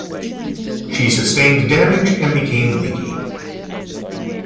She sustained damage and became leaky.